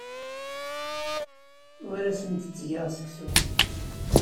Ur asen-d-ttgeɣ seksu.